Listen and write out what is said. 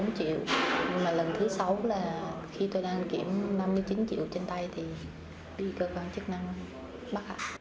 bốn triệu nhưng mà lần thứ sáu là khi tôi đang kiểm năm mươi chín triệu trên tay thì bị cơ quan chức năng bắt hạ